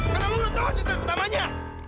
karena lo udah tau hasilnya pertama